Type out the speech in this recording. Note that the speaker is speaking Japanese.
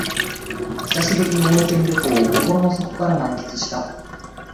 久しぶりの温泉旅行を心の底から満喫した